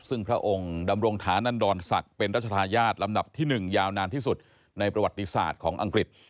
ซึ่งพระองค์ดำรงฐานันดรศักดิ์เป็นรัชธาญาติลำดับที่๑ยาวนานที่สุดในประวัติศาสตร์ของอังกฤษ